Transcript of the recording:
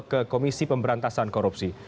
ke komisi pemberantasan korupsi